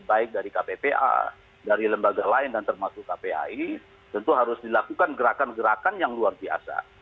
baik dari kppa dari lembaga lain dan termasuk kpai tentu harus dilakukan gerakan gerakan yang luar biasa